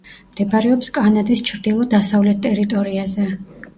მდებარეობს კანადის ჩრდილო-დასავლეთ ტერიტორიაზე.